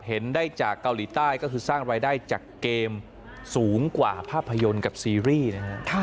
เห็นได้จากเกาหลีใต้ก็คือสร้างรายได้จากเกมสูงกว่าภาพยนตร์กับซีรีส์นะฮะ